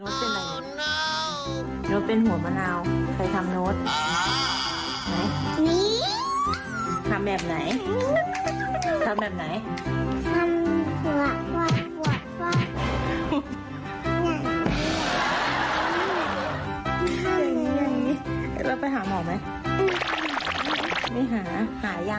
ไม่หายังหายแล้ว